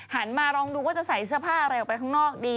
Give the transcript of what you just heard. มาลองดูว่าจะใส่เสื้อผ้าอะไรออกไปข้างนอกดี